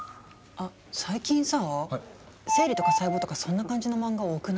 あっ最近さぁ生理とか細胞とかそんな感じの漫画多くない？